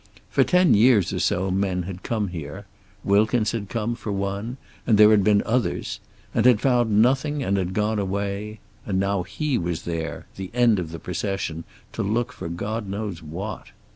For ten years or so men had come here. Wilkins had come, for one, and there had been others. And had found nothing, and had gone away. And now he was there, the end of the procession, to look for God knows what.